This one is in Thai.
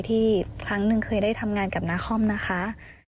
ครั้งหนึ่งเคยได้ทำงานกับนาคอมนะคะ